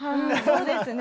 そうですね